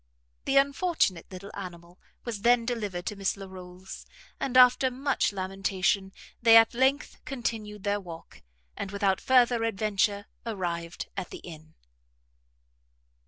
The unfortunate little animal was then delivered to Miss Larolles; and after much lamentation, they at length continued their walk; and, without further adventure, arrived at the inn.